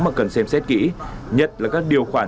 mà cần xem xét kỹ nhất là các điều khoản